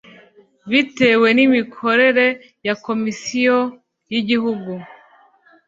biterwa n imikorere ya komisiyo y igihugu